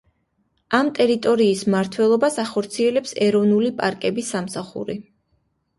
ამ ტერიტორიის მმართველობას ახორციელებს ეროვნული პარკების სამსახური.